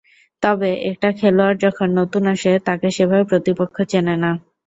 তবে একটা খেলোয়াড় যখন নতুন আসে, তাকে সেভাবে প্রতিপক্ষ চেনে না।